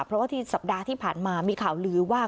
เพราะว่าที่สัปดาห์ที่ผ่านมามีข่าวลือว่า